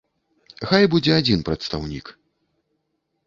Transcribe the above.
Хай будзе адзін прадстаўнік.